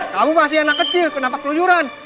kamu masih anak kecil kenapa keluyuran